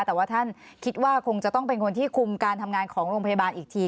แต่ว่าท่านคิดว่าคงจะต้องเป็นคนที่คุมการทำงานของโรงพยาบาลอีกที